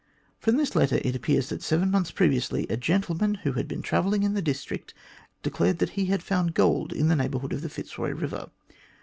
From this letter it appears that seven months previously a gentleman who had been travelling in the district, declared that he had found gold in the neighbourhood of the Fitzroy Eiver.